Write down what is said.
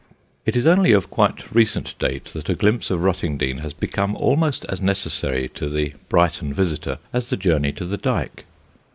It is only of quite recent date that a glimpse of Rottingdean has become almost as necessary to the Brighton visitor as the journey to the Dyke.